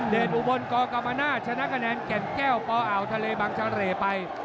เดชอุบลกรกรมนาชชนะคะแนนแก่นแก้วปอ่าวทะเลบังชะเลไป